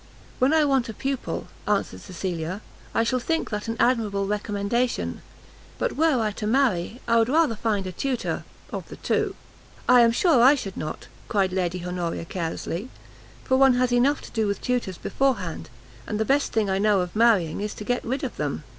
"When I want a pupil," answered Cecilia, "I shall think that an admirable recommendation; but were I to marry, I would rather find a tutor, of the two." "I am sure I should not," cried Lady Honoria, carelessly, "for one has enough to do with tutors before hand, and the best thing I know of marrying is to get rid of them.